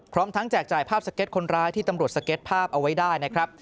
พร้อมทั้งแจกจ่ายภาพสเก็ตคนร้ายที่ตำรวจสเก็ตภาพเอาไว้ได้นะครับ